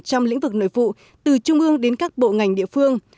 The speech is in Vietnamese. trong lĩnh vực nội vụ từ trung ương đến các bộ ngành địa phương